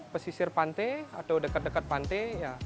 pesisir pantai atau dekat dekat pantai